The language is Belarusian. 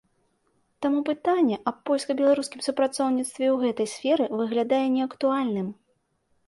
Таму пытанне аб польска-беларускім супрацоўніцтве ў гэтай сферы выглядае неактуальным.